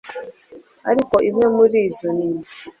ariko imwe muri zo ni iyi: